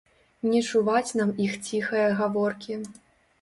Не чуваць нам іх ціхае гаворкі.